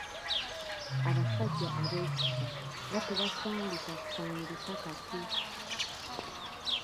Abasajja ab’ekisa nga tebasangikasangika kati!